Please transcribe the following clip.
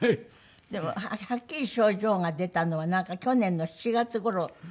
でもはっきり症状が出たのはなんか去年の７月頃ですって？